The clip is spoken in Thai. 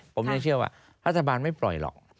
ผมยังเชื่อว่ารัฐบาลไม่ปล่อยหรอก